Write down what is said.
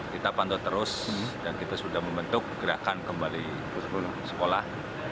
kita pantau terus dan kita sudah membentuk gerakan kembali sekolah